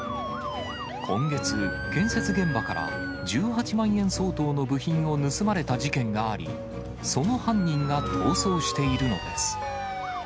今月、建設現場から１８万円相当の部品を盗まれた事件があり、その犯人が逃走しているのです。